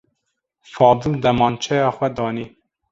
Fadil demançeya xwe danî.